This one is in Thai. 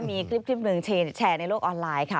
มีคลิปหนึ่งแชร์ในโลกออนไลน์ค่ะ